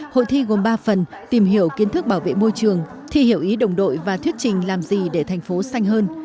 hội thi gồm ba phần tìm hiểu kiến thức bảo vệ môi trường thi hiểu ý đồng đội và thuyết trình làm gì để thành phố xanh hơn